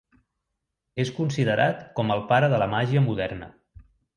És considerat com el pare de la màgia moderna.